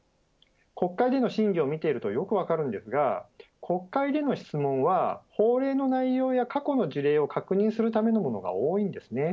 国会での審議を見ているとよく分かるんですが国会での質問は恒例の内容や過去の事例を確認するためのものが多いんです。